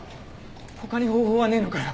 他に方法はねえのかよ？